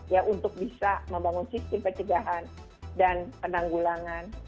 ya untuk bisa membangun sistem pencegahan dan penanggulangan